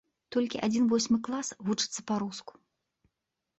Толькі адзін восьмы клас вучыцца па-руску.